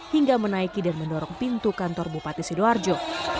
hingga menaiki dan mendorong pintu kantor bupati sidoarjo